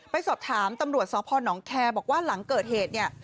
ไปสอบถามตำรวจสพนแคร์บอกว่าหลังเกิดเหตุเนี่ย